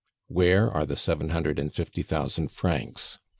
"Where are the seven hundred and fifty thousand francs?"